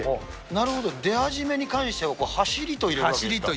なるほど、出始めに関しては、はしりと入れるわけですか。